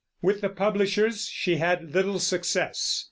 With the publishers she had little success.